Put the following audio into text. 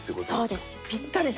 そうです。